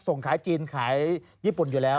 ส่งขายจีนขายญี่ปุ่นอยู่แล้ว